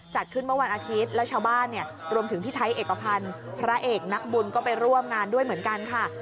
จัดขึ้นเมื่อวันอาทิตย์แล้วชาวบ้านเนี่ยรวมถึงพี่ไทยเอกพันธ์พระเอกนักบุญก็ไปร่วมงานด้วยเหมือนกันค่ะ